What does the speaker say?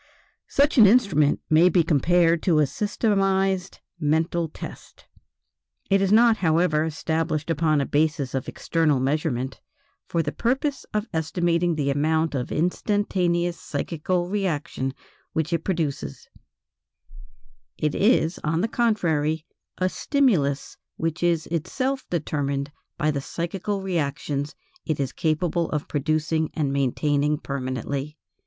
Such an instrument may be compared to a systematized "mental test." It is not, however, established upon a basis of external measurement, for the purpose of estimating the amount of instantaneous psychical reaction which it produces; it is, on the contrary, a stimulus which is itself determined by the psychical reactions it is capable of producing and maintaining permanently.